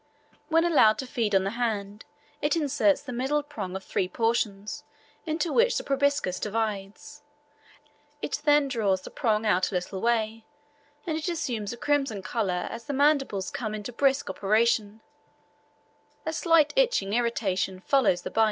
When allowed to feed on the hand, it inserts the middle prong of three portions into which the proboscis divides, it then draws the prong out a little way, and it assumes a crimson colour as the mandibles come into brisk operation; a slight itching irritation follows the bite."